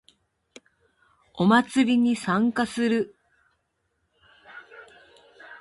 お祭りに参加する